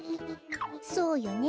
そうよね。